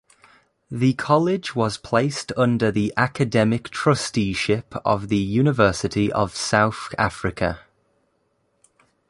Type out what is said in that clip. The College was placed under the academic trusteeship of the University of South Africa.